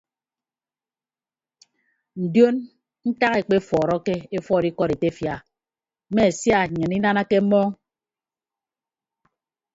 Ndion ntak ekpefuọrọke efuọd ikọd etefia a mme sia nnyịn inanake mmọọñ.